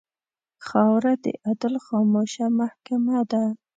خاوره د عدل خاموشه محکمـه ده.